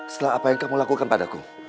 setelah apa yang kamu lakukan padaku